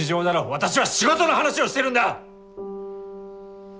私は仕事の話をしているんだ！